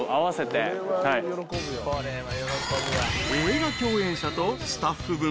［映画共演者とスタッフ分